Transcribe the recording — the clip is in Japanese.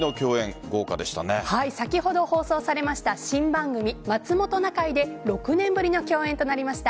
先ほど放送されました新番組「まつもｔｏなかい」で６年ぶりの共演となりました